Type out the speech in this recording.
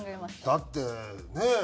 だってねえ。